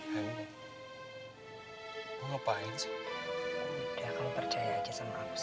hai hai ngapain sih udah kamu percaya aja sama aku sih